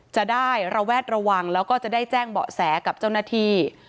จะได้ระแวดระวังแล้วก็จะได้แจ้งเบาะแสกับเจ้าหน้าที่